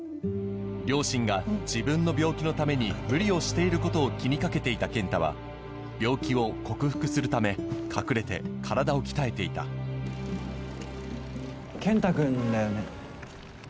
両親が自分の病気のために無理をしていることを気にかけていた健太は病気を克服するため隠れて体を鍛えていた健太くんだよね？